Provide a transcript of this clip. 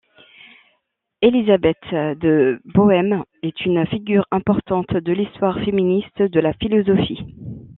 Elisabeth de Bohême est une figure importante de l'histoire féministe de la philosophie.